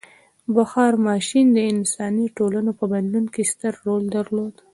• بخار ماشین د انساني ټولنو په بدلون کې ستر رول درلود.